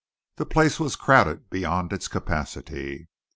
The place was crowded beyond its capacity.